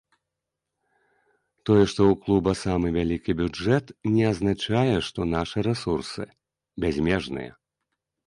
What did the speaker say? Тое, што ў клуба самы вялікі бюджэт, не азначае, што нашы рэсурсы бязмежныя.